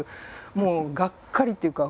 もうがっかりっていうか